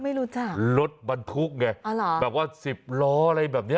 ไม่รู้จักรถบรรทุกไงแบบว่าสิบล้ออะไรแบบนี้อ๋ออ๋ออ๋อ